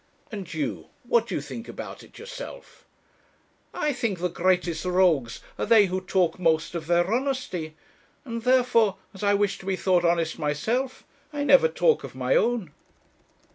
'And you, what do you think about it yourself?' 'I think the greatest rogues are they who talk most of their honesty; and, therefore, as I wish to be thought honest myself, I never talk of my own.'